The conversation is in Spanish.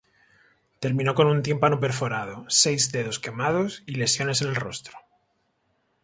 Terminó con un tímpano perforado, seis dedos quemados y lesiones en el rostro.